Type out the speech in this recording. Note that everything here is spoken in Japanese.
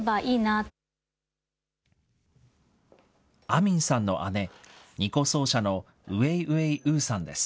アミンさんの姉、二胡奏者のウェイウェイ・ウーさんです。